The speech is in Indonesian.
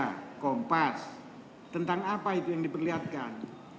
nah kompas tentang apa itu yang diperlihatkan